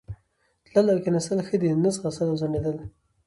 تلل او کښېنستل ښه دي، نه ځغستل او ځنډېدل.